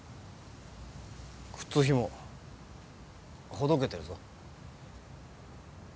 靴ひもほどけてるぞ。